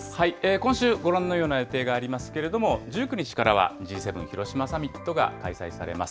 今週、ご覧のような予定がありますけれども、１９日からはＧ７広島サミットが開催されます。